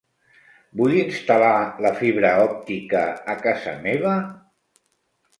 Vull instal·lar la fibra òptica a casa meva?